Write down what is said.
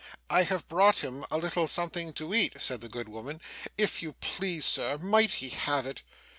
'I have brought him a little something to eat,' said the good woman. 'If you please, Sir, might he have it?